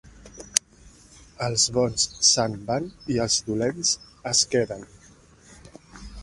Els bons se'n van i els dolents es queden.